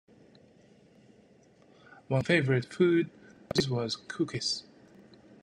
One favorite food of his was cookies.